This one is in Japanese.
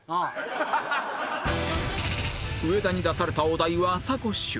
上田に出されたお題はサコッシュ